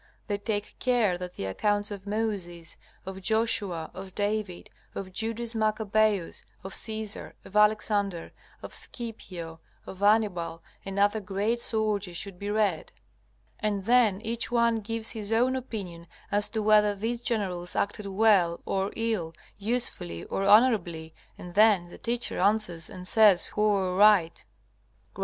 They take care that the accounts of Moses, of Joshua, of David, of Judas Maccabaeus, of Caesar, of Alexander, of Scipio, of Hannibal, and other great soldiers should be read. And then each one gives his own opinion as to whether these generals acted well or ill, usefully or honorably, and then the teacher answers and says who are right. G.M.